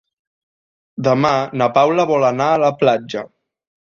Demà na Paula vol anar a la platja.